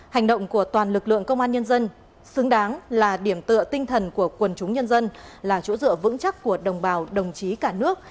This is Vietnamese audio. hành động của toàn lực lượng công an nhân dân xứng đáng là điểm tựa tinh thần của quần chúng nhân dân là chỗ dựa vững chắc của đồng bào đồng chí cả nước